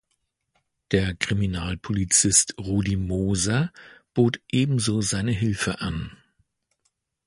Der Kriminalpolizist Rudi Moser bot ebenso seine Hilfe an.